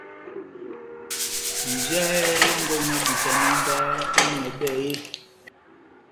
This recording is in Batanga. Njahɛ yɔ́ngɔ emabutanɔ mba ó ŋʼhɔbɛ eeeh ?